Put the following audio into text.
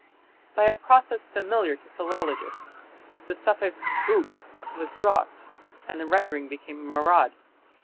By a process familiar to philologists the suffix "uk" was dropped and the rendering became Marad.